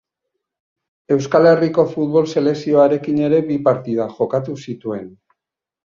Euskal Herriko futbol selekzioarekin ere bi partida jokatu zituen.